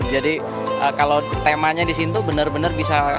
jadi kalau temanya di sini itu benar benar bisa diperhatikan